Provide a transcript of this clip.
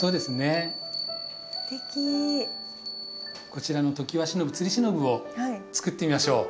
こちらのトキワシノブつりしのぶを作ってみましょう。